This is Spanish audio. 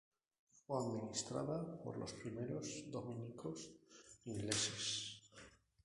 Fue administrada por los primeros dominicos ingleses.